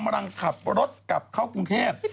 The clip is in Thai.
รถกลับเข้ากรุงเทพ